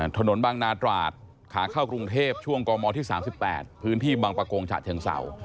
ถนนบางนาตราดขาเข้ากรุงเทพช่วงกมที่๓๘พื้นที่บางประกงฉะเชิงเศร้า